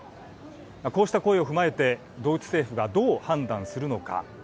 こうした声を踏まえてドイツ政府がどう判断するのか。